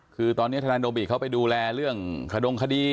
คือตอนนี้ธนายโดบิเขาไปดูแลเรื่องขดงคดี